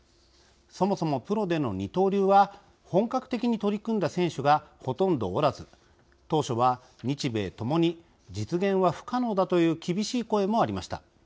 そもそもプロでの二刀流は本格的に取り組んだ選手がほとんどおらず当初は日米ともに「実現は不可能だ」という厳しい声もありました。